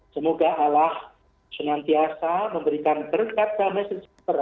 semoga allah senantiasa memberikan berkat kami